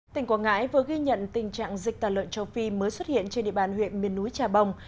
tỉnh quảng ngãi vừa ghi nhận tình trạng dịch tà lợn châu phi mới xuất hiện trên địa bàn huyện miền núi trà bông